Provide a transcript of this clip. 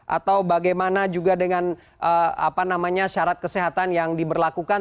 atau bagaimana juga dengan syarat kesehatan yang diberlakukan